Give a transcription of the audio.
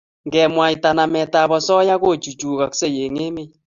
Ngemwaita nametab osoya kochuchukoksei eng emet